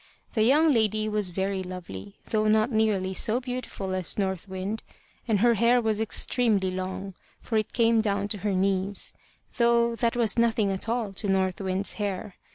The young lady was very lovely, though not nearly so beautiful as North Wind; and her hair was extremely long, for it came down to her knees though that was nothing at all to North Wind's hair.